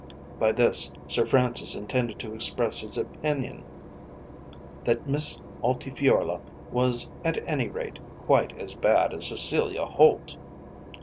By this Sir Francis intended to express his opinion that Miss Altifiorla was at any rate quite as bad as Cecilia Holt.